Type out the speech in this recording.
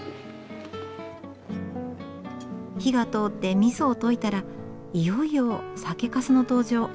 火が通ってみそを溶いたらいよいよ酒粕の登場。